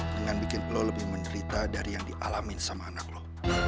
dengan bikin lo lebih menderita dari yang dialami sama anak lo